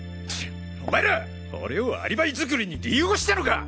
お前ら俺をアリバイ作りに利用したのか！